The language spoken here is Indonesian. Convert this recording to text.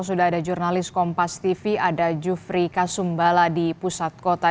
sudah ada jurnalis kompas tv ada jufri kasumbala di pusat kota